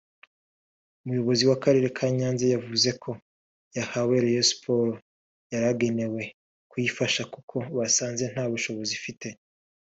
Umuyobozi w’Akarere ka Nyanza yavuze ko ayahawe Rayon Sports yari agenewe kuyifasha kuko basanze nta bushobozi ifite